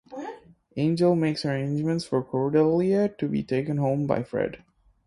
Angel makes arrangements for Cordelia to be taken home by Fred.